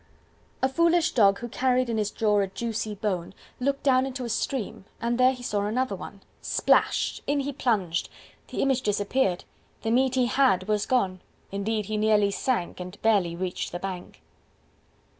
A foolish Dog, who carried in his jaw A juicy bone, Looked down into a stream, and there he saw Another one, Splash! In he plunged.. The image disappeared The meat he had was gone. Indeed, he nearly sank, And barely reached the bank.